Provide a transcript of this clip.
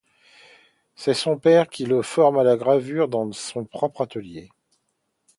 C'est son père qui le forme à la gravure dans son propre atelier.